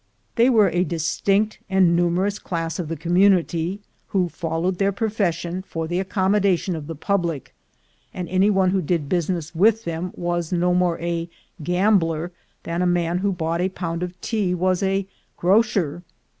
They were a distinct and numerous class of the community, who followed their profession for the accommodation of the public; and any one who did business with them was no more a "gambler" than a man who bought a pound of tea was a grocer.